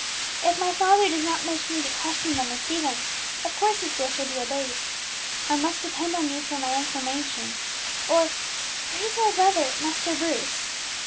"If my father does not wish me to question them or see them, of course his will shall be obeyed. I must depend on you for my information, or where is my brother, Master Bruce?"